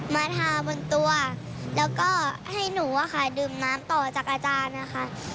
มาทาบนตัวแล้วก็ให้หนูอะค่ะดื่มน้ำต่อจากอาจารย์นะคะ